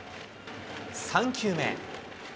３球目。